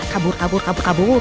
kabur kabur kabur kabur